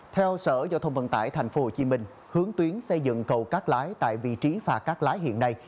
theo sở giao thông vận tải tp hcm hướng tuyến xây dựng cầu các lái tại vị trí phạt các lái hiện nay